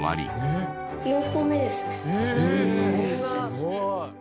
すごい。